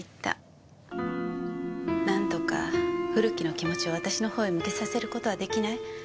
なんとか古木の気持ちを私のほうへ向けさせる事は出来ない？